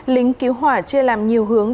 lính cứu hỏa chưa làm nhiều hướng